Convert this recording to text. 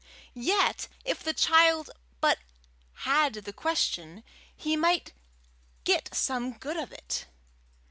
Yet if the child but "had the question," he might get some good of it.